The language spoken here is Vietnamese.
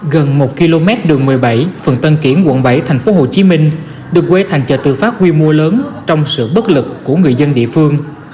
gần một km đường một mươi bảy phường tân kiển quận bảy tp hcm được quê thành chợ tự phát quy mô lớn trong sự bất lực của người dân địa phương